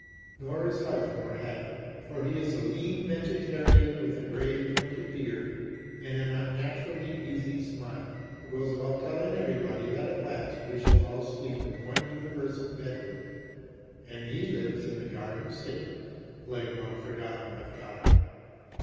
Nor is Hudge more happy; for he is a lean vegetarian with a gray, pointed beard and an unnaturally easy smile, who goes about telling everybody that at last we shall all sleep in one universal bedroom; and he lives in a Garden City, like one forgotten of God.